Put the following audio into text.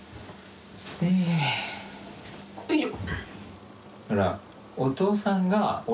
よいしょ。